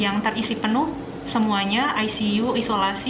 yang terisi penuh semuanya icu isolasi